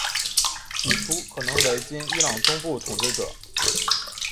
起初可能为今伊朗东部统治者。